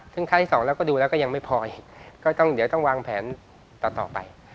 ซึ่งครั้งที่สองเราก็ดูแล้วก็ยังไม่พออีกก็ต้องเดี๋ยวต้องวางแผนต่อไป